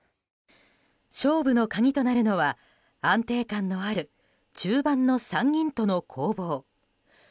勝負の鍵となるのは安定感のある中盤の３人との攻防。